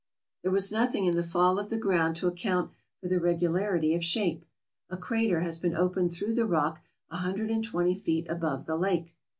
There was nothing in the fall of the ground to account for the regularity of shape. A crater has been opened through the rock a hundred and twenty feet above the lake.